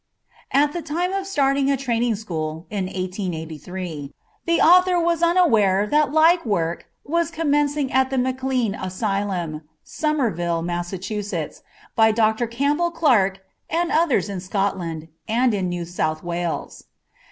At the time of starting a training school, in 1883, the author was unaware that like work was commencing at the McLean Asylum, Somerville, Mass., by Dr. Campbell Clark and others in Scotland, and in New South Wales.